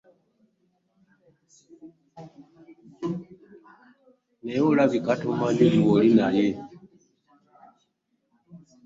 Naye olabika tomanyi gw'oli naye.